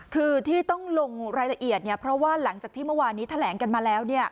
คือที่ต้องลงรายละเอียดเพราะว่าหลังจากที่เมื่อวานนี้แถลงกันมาแล้ว